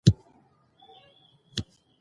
دوی اوس په نوي پلان کار کوي.